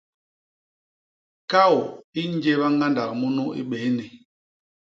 Kaô i njéba ñgandak munu i bésni.